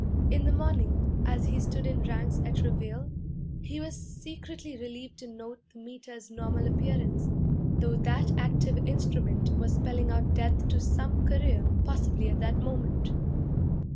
In the morning, as he stood in ranks at reveille, he was secretly relieved to note the Meter's normal appearance, and his life sized pencil, though that active instrument was spelling out death to some career possibly at that moment.